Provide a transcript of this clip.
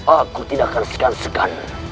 aku tidak akan segan segan